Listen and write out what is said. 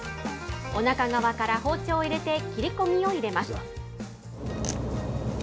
おなか側から包丁を入れて、切り込みを入れます。